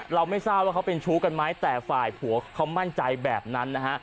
เราไม่ทราบว่าเขาเป็นชู้กันไหมแต่ฝ่ายผัวเขามั่นใจแบบนั้นนะฮะ